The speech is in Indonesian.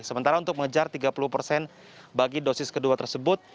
sementara untuk mengejar tiga puluh persen bagi dosis kedua tersebut